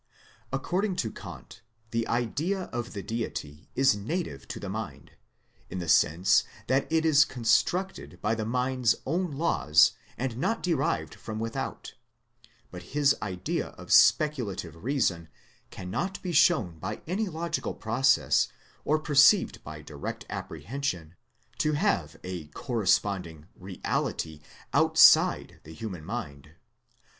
According to Kant the idea of the Deity is native to the mind, in the sense that it is con structed by the mind's own laws and not derived from without : but this Idea of Speculative Eeason cannot be shown by any logical process or perceived M 1G4 THEISM by direct apprehension, to have a corresponding Eeality outside the human mind.